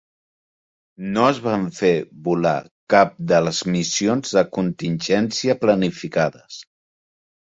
No es van fer volar cap de les missions de contingència planificades.